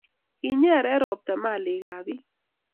kinyere ropta malikabbik